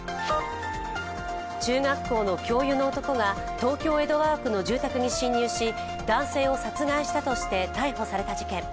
中学校の教諭の男が東京・江戸川区の住宅に侵入し男性を殺害したとして逮捕された事件。